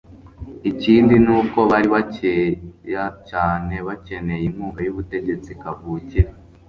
ikindi ni uko bari bakeya cyane bakeneye inkunga y'ubutegetsi kavukire